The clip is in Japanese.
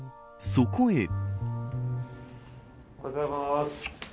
そこへ。